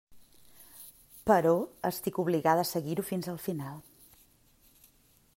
Però estic obligada a seguir-ho fins al final.